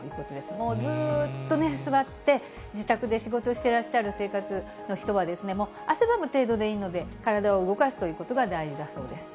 もうずっと座って、自宅で仕事してらっしゃる生活の人は、汗ばむ程度でいいので、体を動かすということが大事だそうです。